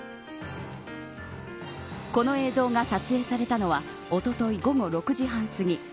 この映像が撮影されたのはおととい午後６時半すぎ